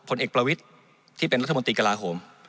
ผลเอกประวิทย์ที่เป็นรัฐมนตรีกระลาโหม